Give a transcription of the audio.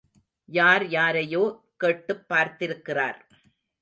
யார் யாரையோ கேட்டுப் பார்த்திருக்கிறார்.